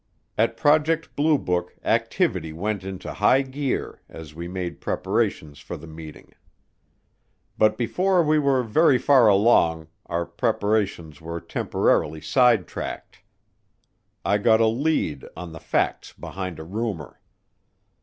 At Project Blue Book activity went into high gear as we made preparations for the meeting. But before we were very far along our preparations were temporarily sidetracked I got a lead on the facts behind a rumor.